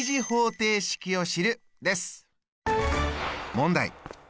問題！